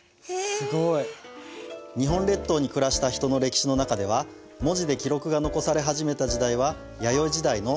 すごい！日本列島に暮らした人の歴史の中では文字で記録が残され始めた時代は弥生時代の中頃です。